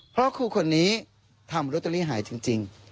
เพราะครูคนนี้ทำร่วนต์ไอ้จริง